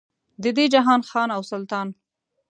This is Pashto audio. د دې جهان خان او سلطان.